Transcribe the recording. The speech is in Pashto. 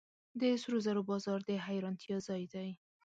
د سرو زرو بازار د حیرانتیا ځای دی.